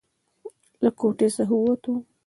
له کوټې څخه ووتو.